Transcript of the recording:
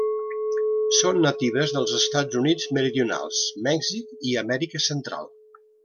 Són natives dels Estats Units meridionals, Mèxic, i Amèrica Central.